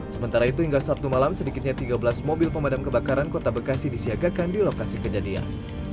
sementara itu hingga sabtu malam sedikitnya tiga belas mobil pemadam kebakaran kota bekasi disiagakan di lokasi kejadian